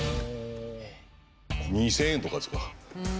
２０００円とかですか。